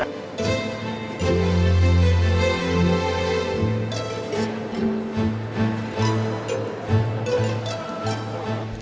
tidak ini dia